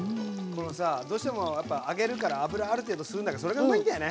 どうしても揚げるから油ある程度吸うんだけどそれがうまいんだよね。